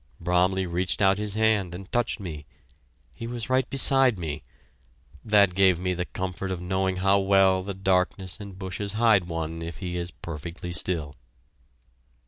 Bromley reached out his hand and touched me! He was right beside me. That gave me the comfort of knowing how well the darkness and bushes hide one if he is perfectly still.